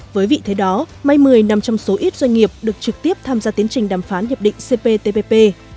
với vị thế đó may một mươi nằm trong số ít doanh nghiệp được trực tiếp tham gia tiến trình đàm phán hiệp định cptpp